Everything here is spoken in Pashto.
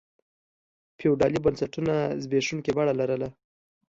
فیوډالي بنسټونو زبېښونکي بڼه لرله.